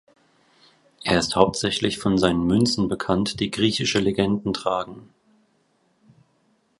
Er ist hauptsächlich von seinen Münzen bekannt, die griechische Legenden tragen.